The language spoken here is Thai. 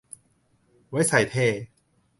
ไว้ใส่เท่